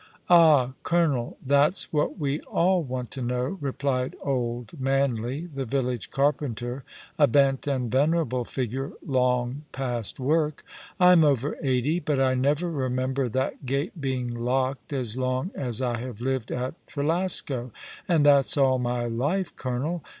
"Ah, colonel, that's what we all want to know," replied old Manley, the village carpenter, a bent and venerable figure, long past work. " I'm over eighty, but I never remember that gate being locked as long as I have lived at Trelasco, and that's all my life, colonel.